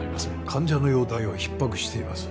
患者の容態は逼迫しています。